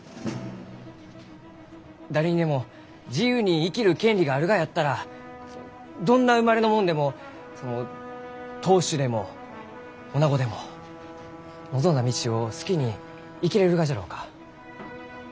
誰にでも自由に生きる権利があるがやったらどんな生まれの者でもその当主でもおなごでも望んだ道を好きに生きれるがじゃろうか？